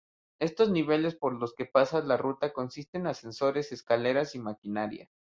Estos niveles por los que pasa la ruta consiste en ascensores, escaleras y maquinaria.